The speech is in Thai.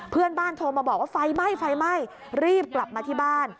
เพื่อนบ้านโทรมาบอกว่าไฟไหม้รีบกลับมาที่บ้าน